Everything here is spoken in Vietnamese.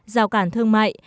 rào cản thương mại